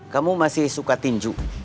kamu masih suka tinju